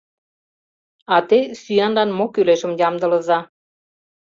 — А те сӱанлан мо кӱлешым ямдылыза.